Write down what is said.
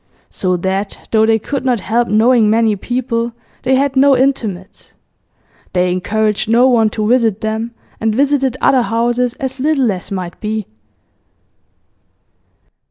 So that, though they could not help knowing many people, they had no intimates; they encouraged no one to visit them, and visited other houses as little as might be.